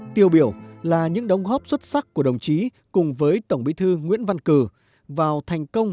tiêu biểu là những đóng góp xuất sắc của đồng chí cùng với tổng bí thư nguyễn văn cử vào thành công